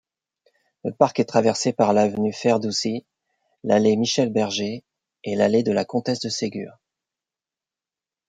Le parc est traversé par l'avenue Ferdousi, l'allée Michel-Berger et l'allée de la Comtesse-de-Ségur.